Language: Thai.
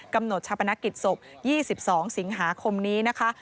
กำหนดชาปนกิจศพ๒๒สิงหาคมนี้นะคะ